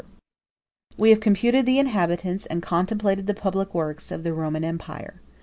] We have computed the inhabitants, and contemplated the public works, of the Roman empire.